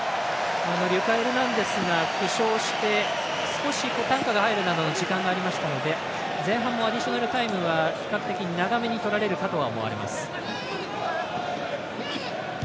リュカ・エルナンデスが負傷して少し担架が入るなどの時間がありましたので前半のアディショナルタイムは比較的長めにとられるかとは思います。